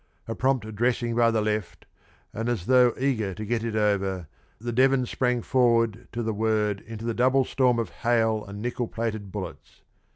A prompt dressing by the left, and, as though eager to get it over, the Devons sprang forward to the word into the double storm of hail and nickel plated bullets.